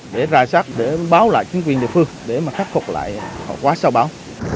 để ra sát để báo lại chính quyền địa phương để mà khắc phục lại hậu quả sau bão